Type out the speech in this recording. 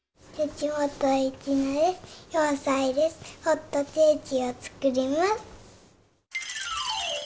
ホットケーキをつくります。